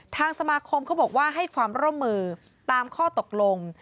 ทางสมาคมเขาบอกว่าให้ความร่วมมือตามข้อตกลง